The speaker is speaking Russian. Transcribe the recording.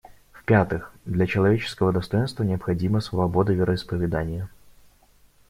В-пятых, для человеческого достоинства необходима свобода вероисповедания.